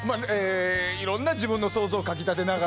いろんな自分の想像をかき立てながら。